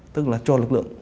tức là cho lực lượng